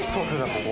ここ。